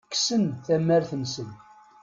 Kksen tamart-nsen.